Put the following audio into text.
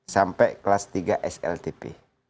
sampai kelas tiga sltp